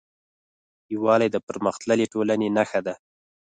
یووالی د پرمختللې ټولنې نښه ده.